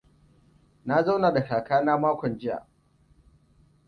Na zauna da kakana makon jiya.